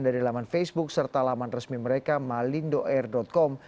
dari laman facebook serta laman resmi mereka malindoair com